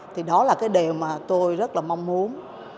thì đó là cái điều mà tôi rất là mong muốn